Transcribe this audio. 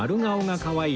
かわいい！